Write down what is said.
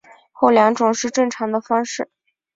后两种是正常的方式。